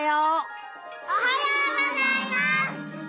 おはようございます！